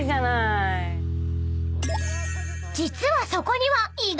［実はそこには］お！